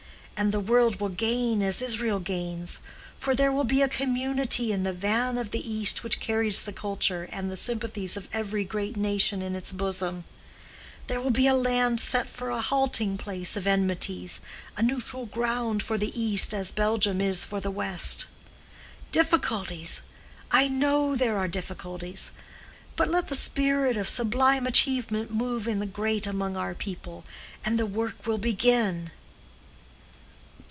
And the world will gain as Israel gains. For there will be a community in the van of the East which carries the culture and the sympathies of every great nation in its bosom: there will be a land set for a halting place of enmities, a neutral ground for the East as Belgium is for the West. Difficulties? I know there are difficulties. But let the spirit of sublime achievement move in the great among our people, and the work will begin."